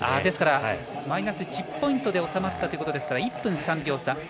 マイナス１０ポイントで収まったということですから１分３秒差。